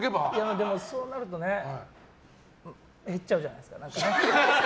でも、そうなるとね減っちゃうじゃないですか。